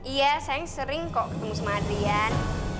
iya sayang sering kok ketemu sama adrian